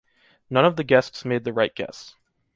None of the guests made the right guess.